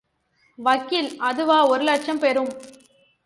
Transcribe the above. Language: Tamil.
வக்கீல் அதுவா ஒரு லட்சம் பெறும்?